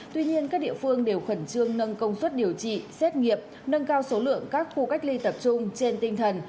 tuy nhiên các địa phương đều khẩn trương nâng công suất điều trị xét nghiệm nâng cao số lượng các khu cách ly tập trung trên tinh thần